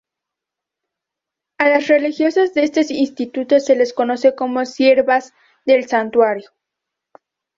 A las religiosas de este instituto se les conoce como siervas del Santuario.